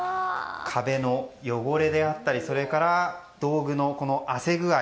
壁の汚れであったりそれから道具のあせ具合。